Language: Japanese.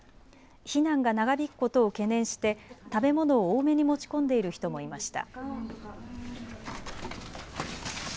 避難が長引くことを懸念して食べ物を多めに持ち込んでいる人もいました。